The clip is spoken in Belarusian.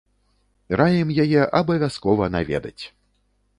Раім яе абавязкова наведаць!